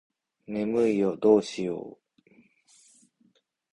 眠いよどうしよう